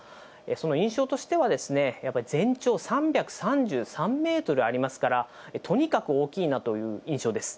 その印象としては、やっぱり全長３３３メートルありますから、とにかく大きいなという印象です。